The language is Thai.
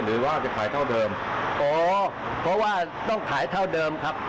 หรือว่าจะขายเท่าเดิมอ๋อเพราะว่าต้องขายเท่าเดิมครับ